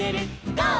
ゴー！」